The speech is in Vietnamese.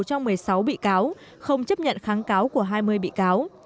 cho một mươi sáu bị cáo không chấp nhận kháng cáo của hai mươi bị cáo